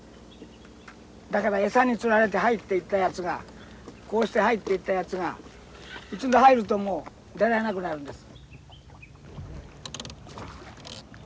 だから餌に釣られて入っていったやつがこうして入っていったやつが一度入るともう出られなくなるんです。